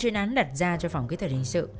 chuyên án đặt ra cho phòng kỹ thuật hình sự